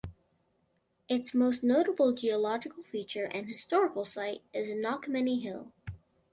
Its most notable geological feature and historical site is Knockmany Hill.